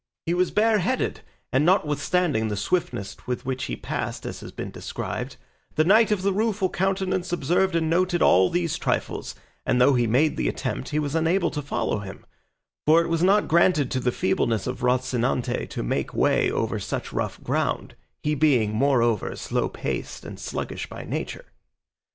He was bareheaded, and notwithstanding the swiftness with which he passed as has been described, the Knight of the Rueful Countenance observed and noted all these trifles, and though he made the attempt, he was unable to follow him, for it was not granted to the feebleness of Rocinante to make way over such rough ground, he being, moreover, slow paced and sluggish by nature.